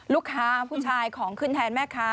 ลูกค้าผู้ชายของขึ้นแทนแม่ค้า